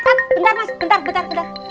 bentar mas bentar bentar